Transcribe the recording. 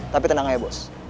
tapi tenang aja bos